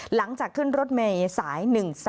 หลังจากขึ้นรถเมย์สาย๑๒